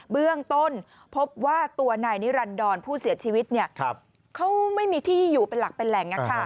เบื้องต้นพบว่าตัวนายนิรันดรผู้เสียชีวิตเขาไม่มีที่อยู่เป็นหลักเป็นแหล่ง